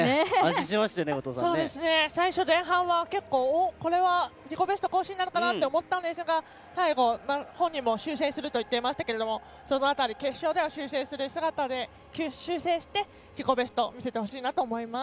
前半は結構、これは自己ベスト更新なるかなと思ったんですが最後、本人も修正すると言っていましたけれどもその辺り、決勝では修正して自己ベスト、見せてほしいなと思います。